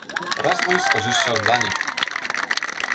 rozwój z korzyścią dla nich